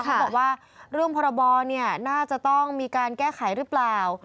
เขาบอกว่าเรื่องพรบน่าจะต้องมีการแก้ไขหรือเปล่า